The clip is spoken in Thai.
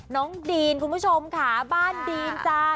น้องดีนคุณผู้ชมค่ะบ้านดีนจ้า